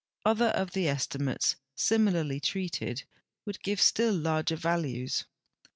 Other of the estimates, similarly treated, Avould give still larger values.